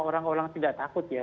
orang orang tidak takut ya